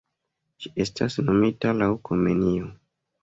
Ĝi estas nomita laŭ Komenio.